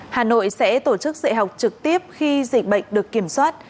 hà nội sẽ tổ chức dạy học trực tiếp khi dịch bệnh được kiểm soát